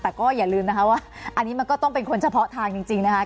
แต่ก็อย่าลืมนะคะว่าอันนี้มันก็ต้องเป็นคนเฉพาะทางจริงนะคะ